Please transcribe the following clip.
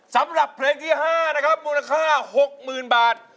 สำหรับเพลงที่๕มูลค่า๖๐๐๐๐บาท